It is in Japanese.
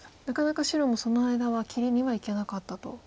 なかなか白もその間は切りにはいけなかったと。